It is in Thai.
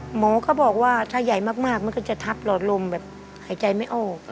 หมอก็บอกว่าถ้าใหญ่มากมันก็จะทับหลอดลมแบบหายใจไม่ออก